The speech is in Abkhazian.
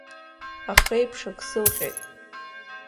Ахеиԥш ак сылҟьеит.